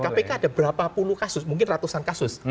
kpk ada berapa puluh kasus mungkin ratusan kasus